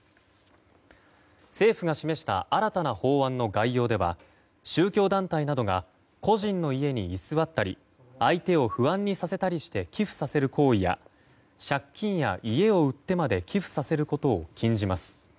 政府が示した新たな法案の概要では宗教団体などが個人の家に居座ったり相手を不安にさせたりして寄付させる行為や借金や家を売ってまで寄付させることを禁じます。